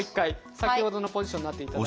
先ほどのポジションになっていただいて。